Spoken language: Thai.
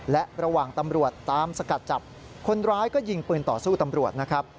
และระหว่างตำรวจตามสกัดจับคนร้ายก็ยิงปืนต่อสู้ตำรวจนะครับ